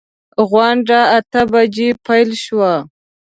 غونډه اته بجې پیل شوه.